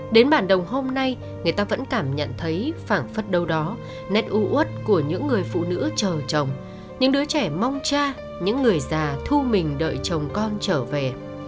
đến bản đồng hôm nay người ta vẫn cảm nhận thấy phản phấn đâu đó nét u ướt của những người phụ nữ chờ chồng những đứa trẻ mong cha những người già thu mình đợi chồng con trở về